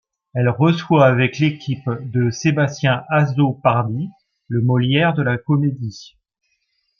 Elle reçoit avec l'équipe de Sébastien Azzopardi le Molière de la comédie.